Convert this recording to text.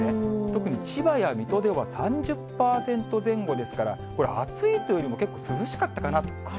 特に千葉や水戸では３０％前後ですから、これ、暑いというよりも、涼しかったかなと。